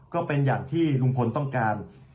ก็เป็นอย่างที่ลุงพลต้องการ